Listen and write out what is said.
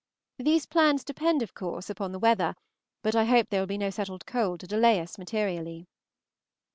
These plans depend of course upon the weather, but I hope there will be no settled cold to delay us materially.